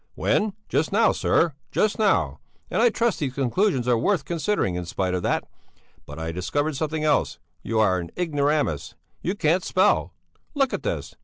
"When? Just now, sir! just now! And I trust these conclusions are worth considering, in spite of that. But I discovered something else; you are an ignoramus; you can't spell! Look at this!